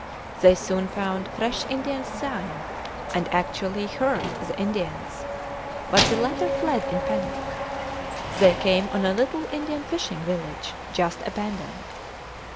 They soon found fresh Indian sign, and actually heard the Indians; but the latter fled in panic. They came on a little Indian fishing village, just abandoned.